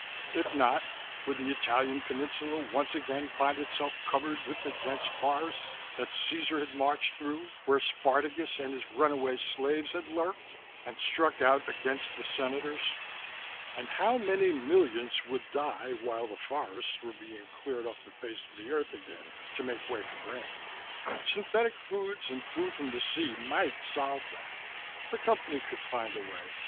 If not, would the Italian peninsula once again find itself covered with the dense forests that Caesar had marched through, where Spartacus and his runaway slaves had lurked and struck out against the Senators? And how many millions would die while the forests were being cleared off the face of the Earth again to make way for grain? Synthetic foods and food from the sea might solve that the Company could find a way.